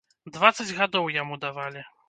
Дваццаць гадоў яму давалі!